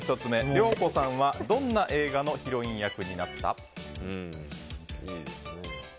リョウコさんは、どんな映画のヒロイン役になった？